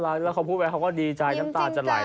น่ารักแล้วเขาพูดแบบว่าเขาก็ดีใจน้ำตาลจะไหล